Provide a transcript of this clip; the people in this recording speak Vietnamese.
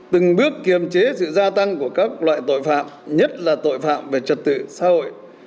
từng bước kiềm chế sự gia tăng của các loại tội phạm nhất là tội phạm về trật tự xã hội